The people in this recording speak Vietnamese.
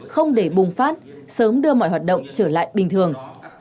không để bùng phát sớm đưa mọi hoạt động trở lại bình thường